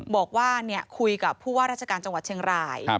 บอกว่าคุยกับผู้ว่าราชการจังหวัดเชียงราย